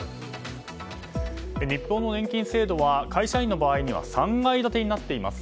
日本の年金制度は会社員の場合には３階建てになっています。